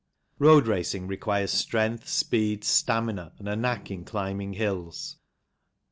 Road racing requires strength, speed, stamina, and a knack in climbing hills.